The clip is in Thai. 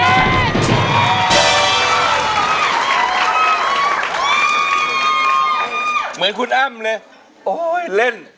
เหมือนคุณอ้ำเลย